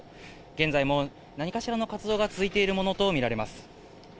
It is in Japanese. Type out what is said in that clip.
現在も、何かしらの活動が続いているものと見られます。